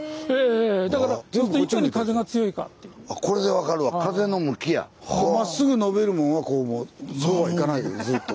だからまっすぐ伸びるもんはこうはいかないずっと。